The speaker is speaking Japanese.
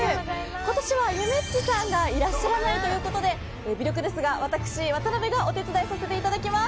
今年はゆめっちさんがいらっしゃらないということで微力ですが私、渡邊がお手伝いさせていただきます。